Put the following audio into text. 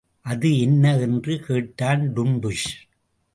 அது என்ன? என்று கேட்டான் டுன்டுஷ்.